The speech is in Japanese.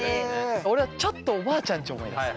俺はちょっとおばあちゃんち思い出す。